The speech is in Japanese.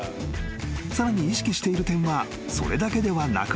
［さらに意識している点はそれだけではなく］